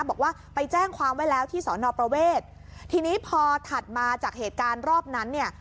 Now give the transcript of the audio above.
บอกว่าไปแจ้งความไว้แล้วที่สอนอประเวททีนี้พอถัดมาจากเหตุการณ์รอบนั้นเนี่ย